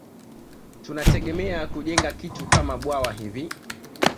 Tunategemea kujenga kitu kama bwawa hivi